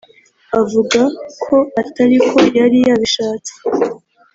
avugako atariko yari yabishatse